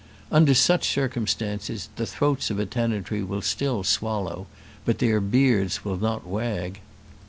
Under such circumstances the throats of a tenantry will still swallow, but their beards will not wag.